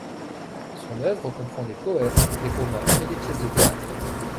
Son œuvre comprend des poèmes, des romans et des pièces de théâtre.